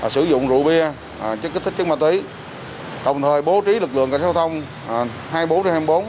sử dụng rượu bia chất kích thích chất ma tí đồng thời bố trí lực lượng cạnh giao thông hai nghìn bốn trăm hai mươi bốn